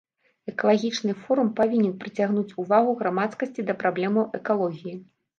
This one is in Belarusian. Экалагічны форум павінен прыцягнуць увагу грамадскасці да праблемаў экалогіі.